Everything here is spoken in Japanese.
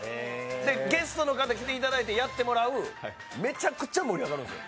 ゲストの方、来ていただいてやってもらう、めちゃくちゃ盛り上がるんですよ。